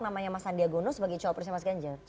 namanya mas sandiaga uno sebagai cowok presiden mas ganjar